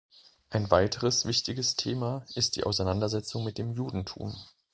Ein weiteres wichtiges Thema ist die Auseinandersetzung mit dem Judentum.